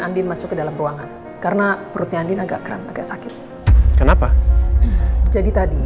andin masuk ke dalam ruangan karena perutnya andin agak krem agak sakit kenapa jadi tadi